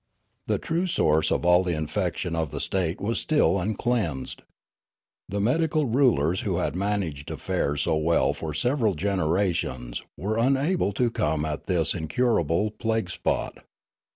The true source of all the infection of the state was still uncleansed. The medical rulers who had managed aflfairs so well for several generations were unable to come at this incurable plague spot.